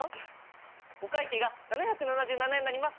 お会計が７７７円になります。